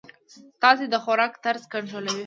ستاسي د خوراک طرز کنټرولوی.